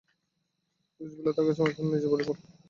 রোজ Villa তাঁর কাছে এখন নিজের বাড়িঘরের মতোই লাগছে।